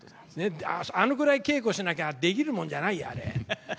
あのぐらい稽古しなきゃできるもんじゃないよあれ。